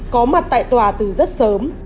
có mặt tại tòa từ rất sớm